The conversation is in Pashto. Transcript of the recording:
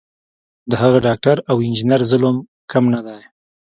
د هغه ډاکټر او انجینر ظلم کم نه دی.